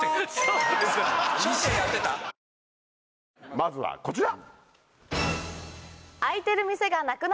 まずはこちら！